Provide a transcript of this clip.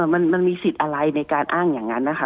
มันมีสิทธิ์อะไรในการอ้างอย่างนั้นนะคะ